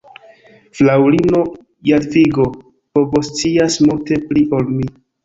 Fraŭlino Jadvigo povoscias multe pli ol mi.